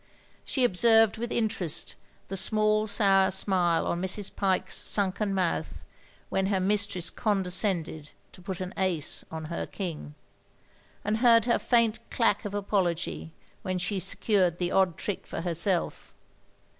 She observed with interest the small sour smile on Mrs. Pyke's stmken mouth when her mistress condescended to put an ace on her king, and heard her faint clack of apology when she secured the odd trick for herself.